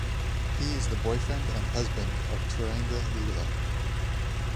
He is the boyfriend and husband of Turanga Leela.